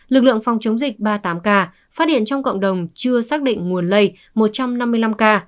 lực lượng phòng chống dịch ba mươi tám ca phát hiện trong cộng đồng chưa xác định nguồn lây một trăm năm mươi năm ca